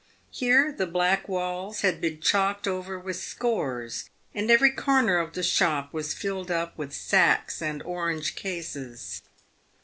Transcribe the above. Here the black walls had been chalked over with scores, and every corner of the shop w r as filled up with sacks and orange cases.